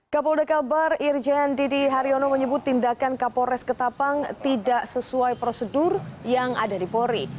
kapolda kalbar irjen didi haryono menyebut tindakan kapolres ketapang tidak sesuai prosedur yang ada di polri